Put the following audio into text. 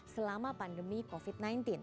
selama pandemi covid sembilan belas